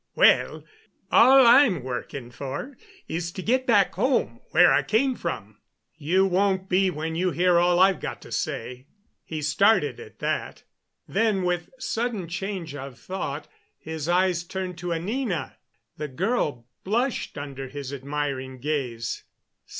"Well, all I'm working for is to get back home where I came from." "You won't be when you hear all I've got to say." He started at that; then, with sudden change of thought, his eyes turned to Anina. The girl blushed under his admiring gaze.